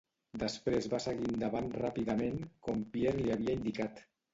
Després va seguir endavant ràpidament, com Pierre li havia indicat.